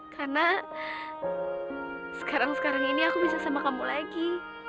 karena sekarang sekarang ini aku bisa sama kamu lagi